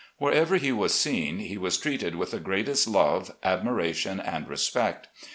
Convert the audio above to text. Wher ever he was seen, he was treated with the greatest love, admiration, and respect.